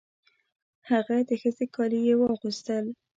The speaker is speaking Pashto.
هغه د ښځې کالي یې واغوستل.